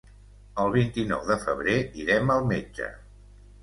El vint-i-nou de febrer irem al metge.